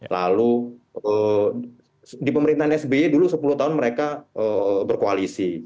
lalu di pemerintahan sby dulu sepuluh tahun mereka berkoalisi